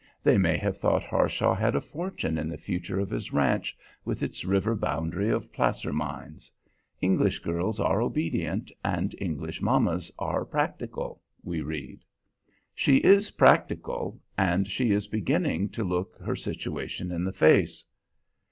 They may have thought Harshaw had a fortune in the future of his ranch, with its river boundary of placer mines. English girls are obedient, and English mammas are practical, we read. She is practical, and she is beginning to look her situation in the face.